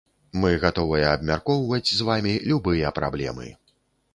Мы гатовыя абмяркоўваць з вамі любыя праблемы.